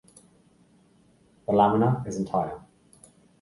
The lamina is entire.